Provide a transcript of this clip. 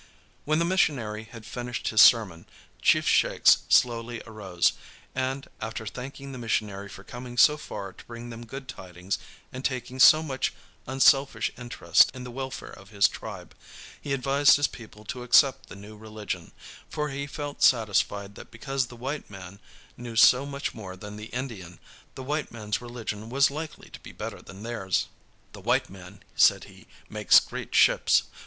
When the missionary had finished his sermon, Chief Shakes slowly arose, and, after thanking the missionary for coming so far to bring them good tidings and taking so much unselfish interest in the welfare of his tribe, he advised his people to accept the new religion, for he felt satisfied that because the white man knew so much more than the Indian, the white man's religion was likely to be better than theirs. "The white man," said he, "makes great ships.